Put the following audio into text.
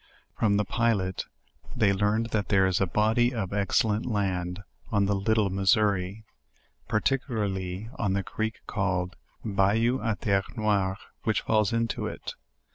From tke pilot they learned that there is a body of excellent land on the little Missouri, particularly on the creek called the "Bayou a ter re noire," which falls into it.